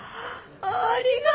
ありがとう！